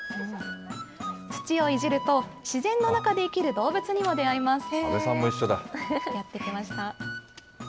土をいじると、自然の中で生きる動物にも出会います。